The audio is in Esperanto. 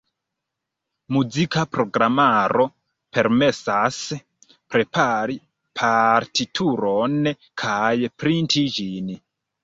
Muzika programaro permesas prepari partituron kaj printi ĝin.